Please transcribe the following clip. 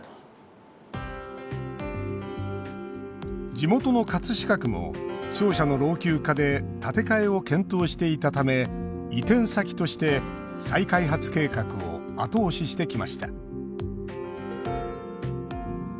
地元の葛飾区も庁舎の老朽化で建て替えを検討していたため移転先として再開発計画を後押ししてきました。